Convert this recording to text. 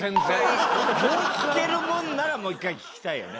聞けるもんならもう一回聞きたいよね。